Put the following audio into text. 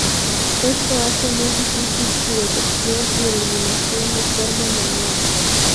Esto hace muy difícil su detección y eliminación de forma manual.